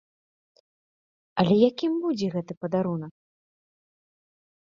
Але якім будзе гэты падарунак?